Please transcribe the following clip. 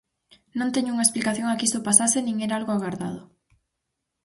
Non teño unha explicación a que iso pasase nin era algo agardado.